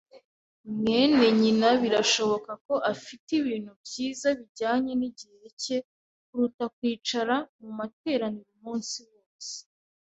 mwene nyina birashoboka ko afite ibintu byiza bijyanye nigihe cye kuruta kwicara mumateraniro umunsi wose.